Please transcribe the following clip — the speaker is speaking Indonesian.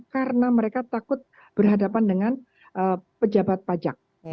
karena mereka takut berhadapan dengan pejabat pajak